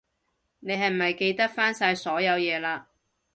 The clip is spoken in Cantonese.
你係咪記得返晒所有嘢喇？